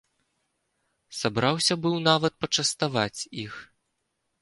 Сабраўся быў нават пачаставаць іх.